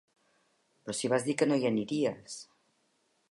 Però si vas dir que no hi aniries!